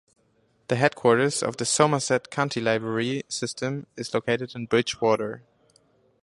The headquarters of the Somerset County Library System is located in Bridgewater.